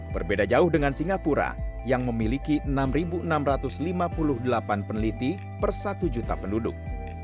berbeda jauh dengan singapura yang memiliki enam enam ratus lima puluh delapan peneliti per satu juta penduduk